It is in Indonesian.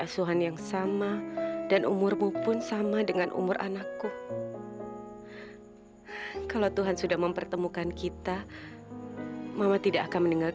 kenapa kata opan sedih